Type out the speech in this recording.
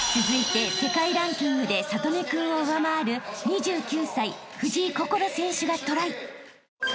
［続いて世界ランキングで智音君を上回る２９歳藤井快選手がトライ］